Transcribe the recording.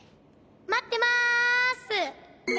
まってます！